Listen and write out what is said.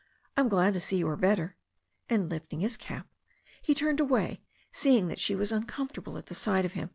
I am glad to see you are better." And lifting his cap, he turned away, seeing that she was uncomfortable at the sight of him.